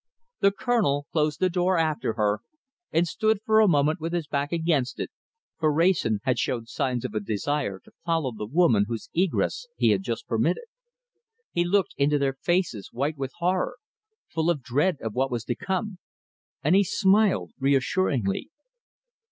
The Colonel closed the door after her, and stood for a moment with his back against it, for Wrayson had shown signs of a desire to follow the woman whose egress he had just permitted. He looked into their faces, white with horror full of dread of what was to come, and he smiled reassuringly.